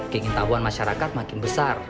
keingin tahuan masyarakat makin besar